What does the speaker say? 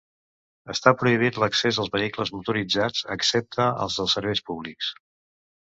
Està prohibit l'accés als vehicles motoritzats, excepte els de serveis públics.